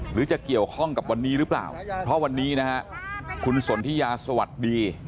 หรือจะเกี่ยวข้องกับวันนี้หรือเปล่าเพราะวันนี้นะฮะคุณสนทิยาสวัสดี